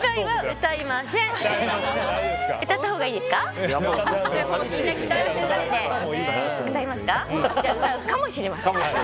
歌うかもしれませんね。